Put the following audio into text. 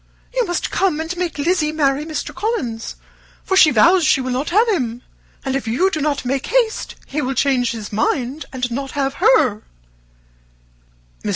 You must come and make Lizzy marry Mr. Collins, for she vows she will not have him; and if you do not make haste he will change his mind and not have her." Mr.